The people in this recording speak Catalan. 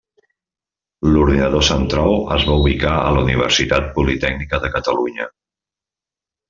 L'ordinador central es va ubicar a la Universitat Politècnica de Catalunya.